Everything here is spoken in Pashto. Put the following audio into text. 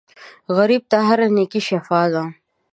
غریب ته هره نېکۍ شفاء ده